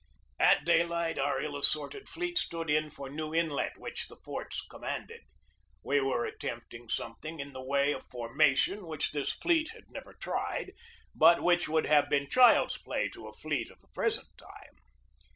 At daylight our ill assorted fleet stood in for New Inlet, which the forts commanded. We were at tempting something in the way of formation which THE BATTLE OF FORT FISHER 129 this fleet had never tried, but which would have been child's play to a fleet of the present time.